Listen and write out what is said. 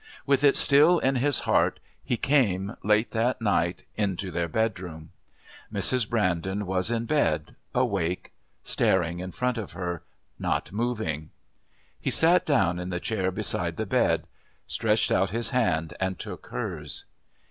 With it still in his heart he came, late that night, into their bedroom. Mrs. Brandon was in bed, awake, staring in front of her, not moving. He sat down in the chair beside the bed, stretched out his hand, and took hers.